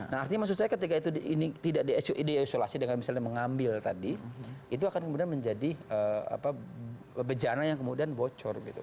nah artinya maksud saya ketika itu tidak diisolasi dengan misalnya mengambil tadi itu akan kemudian menjadi bejana yang kemudian bocor gitu